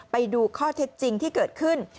ไปดูข้อเท็จจริงที่เกิดขึ้น